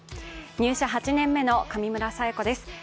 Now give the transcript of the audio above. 入社８年目の上村彩子です。